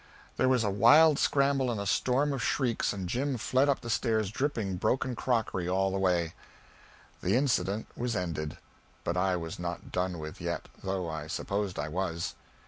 There was a wild scramble and a storm of shrieks, and Jim fled up the stairs, dripping broken crockery all the way. [Sidenote: (1867.)] The incident was ended. But I was not done with it yet, though I supposed I was.